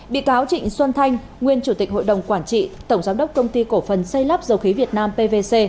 bị cáo trịnh xuân thanh nguyên chủ tịch hội đồng quản trị tổng giám đốc công ty cổ phần xây lắp dầu khí việt nam pvc